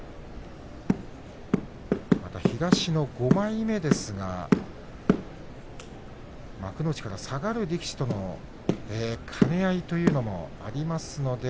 また、東の５枚目ですが幕内から下がってくる力士との兼ね合いもあります。